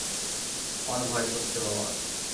আমার ভয় করছে, বাবা।